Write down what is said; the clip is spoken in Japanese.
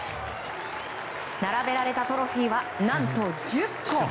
並べられたトロフィーは何と１０個。